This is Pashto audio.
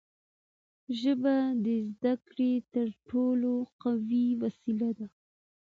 ژبه د زدهکړې تر ټولو قوي وسیله ده.